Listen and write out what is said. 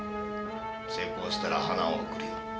成功したら花を贈るよ。